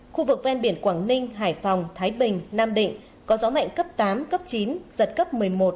khu vực ven biển quảng ninh hải phòng thái bình nam định có gió mạnh cấp tám cấp chín giật cấp một mươi một một mươi hai